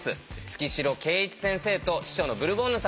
月城慶一先生と秘書のブルボンヌさんです。